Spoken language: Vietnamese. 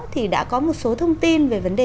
thì đã có một số thông tin về vấn đề